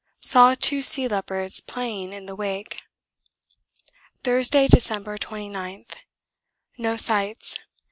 Saw two sea leopards playing in the wake. Thursday, December 29. No sights.